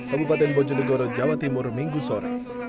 kabupaten bojonegoro jawa timur minggu sore